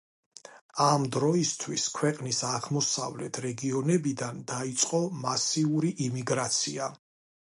ამ დროისთვის, ქვეყნის აღმოსავლეთ რეგიონებიდან დაიწყო მასიური იმიგრაცია.